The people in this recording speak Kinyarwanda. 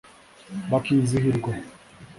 bakizihirwa